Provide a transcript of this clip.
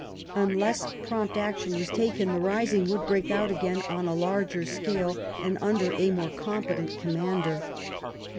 Unless prompt action were taken the rising would break out again, on a larger scale and under a more competent com mander.